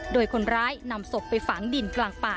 โดยคนร้ายนำศพไปฝังดินกลางป่า